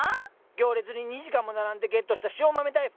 行列に２時間も並んでゲットした塩豆大福！